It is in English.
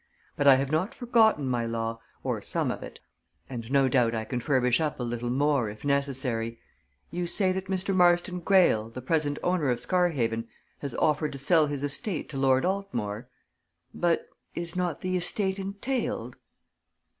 But I have not forgotten my law or some of it and no doubt I can furbish up a little more, if necessary. You say that Mr. Marston Greyle, the present owner of Scarhaven, has offered to sell his estate to Lord Altmore? But is not the estate entailed?"